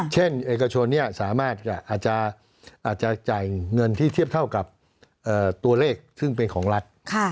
เอกชนสามารถอาจจะจ่ายเงินที่เทียบเท่ากับตัวเลขซึ่งเป็นของรัฐ